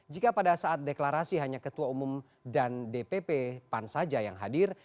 jika pada saat deklarasi hanya ketua umum dan dpp pan saja yang hadir